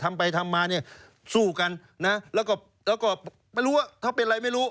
ทำไปทำมาเนี่ยสู้กันนะแล้วก็ไม่รู้ว่าเขาเป็นอะไรไม่รู้